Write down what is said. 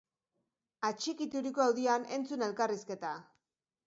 Atxikituriko audioan entzun elkarrizketa!